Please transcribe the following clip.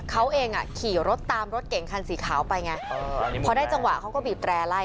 เขาเองอ่ะขี่รถตามรถเก่งคันสีขาวไปไงพอได้จังหวะเขาก็บีบแร่ไล่